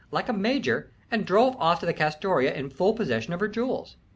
like a major, and drove off to the Castoria in full possession of her jewels.